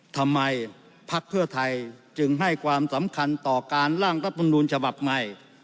พักเพื่อไทยจึงให้ความสำคัญต่อการร่างรัฐมนูลฉบับใหม่